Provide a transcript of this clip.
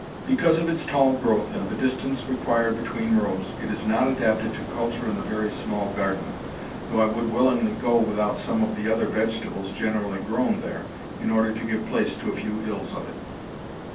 Because of its tall growth and the distance required between rows it is not adapted to culture in the very small garden, though I would willingly go without some of the other vegetables generally grown there in order to give place to a few hills of it.